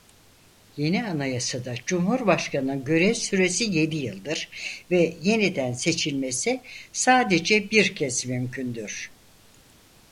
Yeni anayasada cumhurbaşkanının görev süresi yedi yıldır ve yeniden seçilmesi sadece bir kez mümkündür.